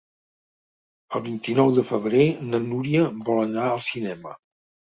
El vint-i-nou de febrer na Núria vol anar al cinema.